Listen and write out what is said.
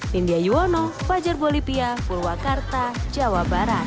mindy ayuwono fajar bolipia purwakarta jawa barat